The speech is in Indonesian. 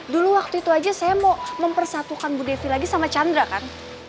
dulu waktu itu aja saya mau mempersatukan bu devi lagi sama chandra kan